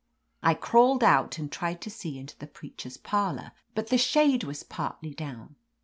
I crawled out and tried to see into the preacher's parlor, but the shade was partly down.